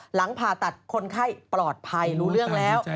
หลังผ่าตัดคนไข้ปลอดภัยรู้เรื่องแล้ว